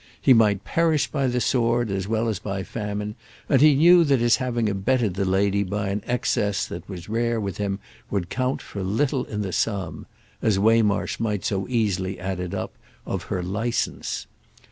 He might perish by the sword as well as by famine, and he knew that his having abetted the lady by an excess that was rare with him would count for little in the sum—as Waymarsh might so easily add it up—of her licence.